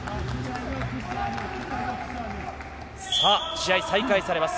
試合再開されます。